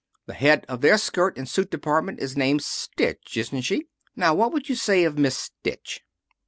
The head of their skirt and suit department is named Stitch, isn't she? Now, what would you say of Miss Stitch?"